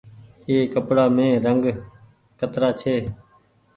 ايِ ڪپڙآ مين رنگ ڪترآ ڇي۔